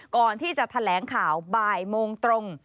ก่อนที่จะแถลงข่าวบ่ายโมงตรง